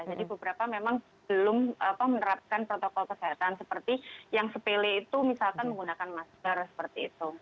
jadi beberapa memang belum menerapkan protokol kesehatan seperti yang sepele itu misalkan menggunakan masker seperti itu